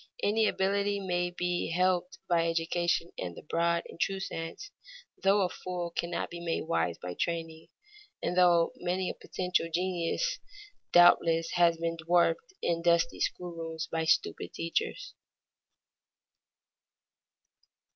Any ability may be helped by education in the broad and true sense, though a fool cannot be made wise by training, and though many a potential genius doubtless has been dwarfed in dusty school rooms by stupid teachers.